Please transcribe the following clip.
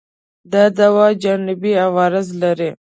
دا دوا جانبي عوارض لري؟